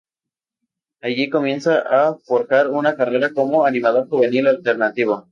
Allí, comienza a forjar una carrera como animador juvenil alternativo.